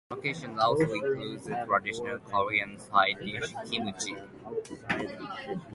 Some locations also include the traditional Korean side dish "kimchi".